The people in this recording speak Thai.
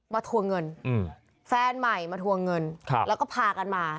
ทวงเงินแฟนใหม่มาทวงเงินแล้วก็พากันมา